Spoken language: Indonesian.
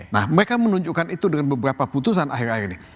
nah mereka menunjukkan itu dengan beberapa putusan akhir akhir ini